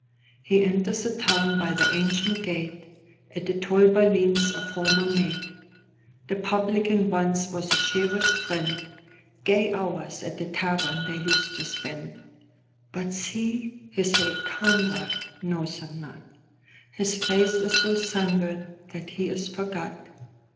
He enters the town by the ancient gate.At the toll bar leans a former mate:The publican once was a cherished friend, Gay hours at the tavern they used to spend. But see, his old comrade knows him not:His face is so sunburnt that he is forgot.